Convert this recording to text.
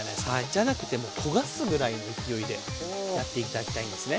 じゃなくて焦がすぐらいの勢いでやって頂きたいんですね。